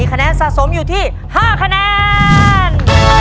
คะแนนสะสมอยู่ที่๕คะแนน